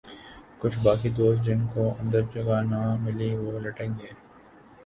کچھ باقی دوست جن کو اندر جگہ نہ ملی وہ لٹک گئے ۔